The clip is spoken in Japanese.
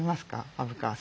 虻川さん。